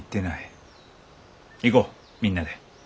行こうみんなで。